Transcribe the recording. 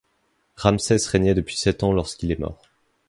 Ramsès régnait depuis sept ans lorsqu'il est mort.